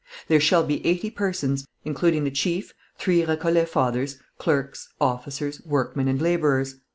"There shall be eighty persons, including the chief, three Récollet fathers, clerks, officers, workmen and labourers.